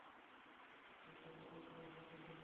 সে তো আগেই পুরা লন্ডন দেখেছে।